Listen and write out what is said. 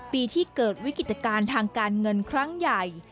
ปีที่เกิดวิกฤตการณ์ทางการเงินครั้งใหญ่